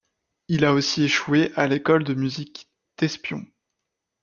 Il a aussi échoué à l'école de musique d'espion.